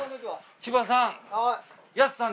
千葉さん。